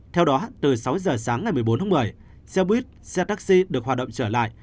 theo đó từ sáu giờ sáng ngày một mươi bốn tháng một mươi xe buýt xe taxi được hoạt động trở lại